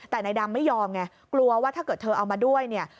แต่นายดำไม่ยอมไงกลัวว่าถ้าเกิดเธอเอามาด้วยเนี่ย